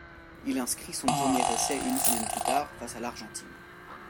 Il inscrit son premier essai une semaine plus tard, face à l'Argentine.